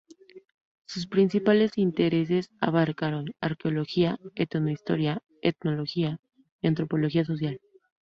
Sus principales intereses abarcaron: arqueología, etnohistoria, etnología y antropología social.